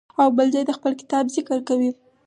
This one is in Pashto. او بل ځای د خپل کتاب ذکر کوي.